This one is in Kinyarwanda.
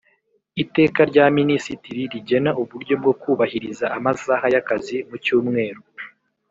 Iteka rya Minisitiri rigena uburyo bwo kubahiriza amasaha y akazi mu cyumweru